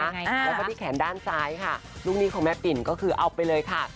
แล้วก็ที่แขนด้านซ้ายค่ะลูกหนี้ของแม่ปิ่นก็คือเอาไปเลยค่ะ